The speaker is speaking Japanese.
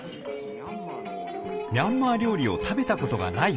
ミャンマー料理を食べたことがない